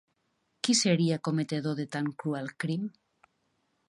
Qui seria cometedor de tan cruel crim?